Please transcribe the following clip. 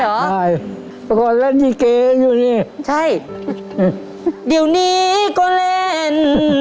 อ๋อจำผมได้ป่ะจำได้เขาอยู่เนี่ยใช่ตอนนี้ก็เล่น